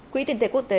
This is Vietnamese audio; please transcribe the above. quỹ tin tế quốc tế imf